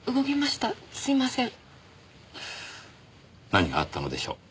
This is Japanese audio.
何があったのでしょう？